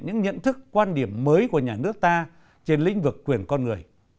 những nhận thức quan điểm mới của nhà nước ta trên lĩnh vực quyền con người